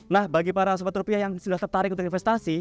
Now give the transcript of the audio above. nah bagi para supporter rupiah yang sudah tertarik untuk investasi